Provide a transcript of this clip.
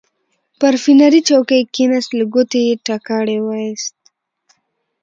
پر فنري څوکۍ کېناست، له ګوتو یې ټکاری وایست.